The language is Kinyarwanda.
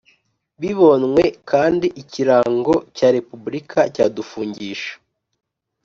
Bibonywe kandi ikirango cya Repubulika cyadufungisha